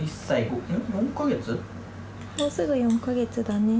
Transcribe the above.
もうすぐ４か月だね。